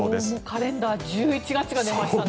カレンダー１１月が出ましたね。